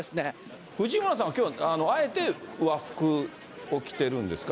藤村さんはきょう、あえて和服を着ているんですか。